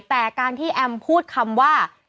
แต่การที่แอมพูดคำว่า